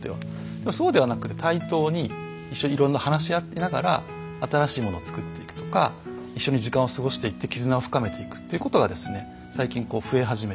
でもそうではなくて対等に一緒にいろいろ話し合いながら新しいものを作っていくとか一緒に時間を過ごしていって絆を深めていくっていうことが最近増え始めている。